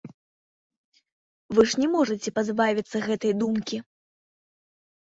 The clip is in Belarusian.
Вы ж не можаце пазбавіцца гэтай думкі?